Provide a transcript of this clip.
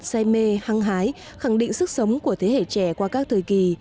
say mê hăng hái khẳng định sức sống của thế hệ trẻ qua các thời kỳ